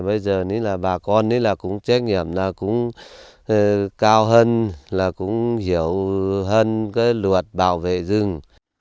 bây giờ bà con cũng trách nhiệm cũng cao hơn cũng hiểu hơn luật bảo vệ rừng